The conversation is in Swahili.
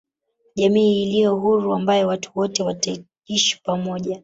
jamii iliyo huru ambayo watu wote wataishi pamoja